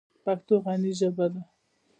پښتو غني ژبه ده.